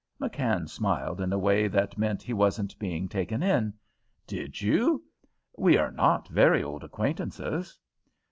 McKann smiled in a way that meant he wasn't being taken in. "Did you? We are not very old acquaintances."